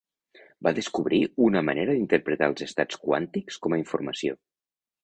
Va descobrir una manera d'interpretar els estats quàntics com a informació.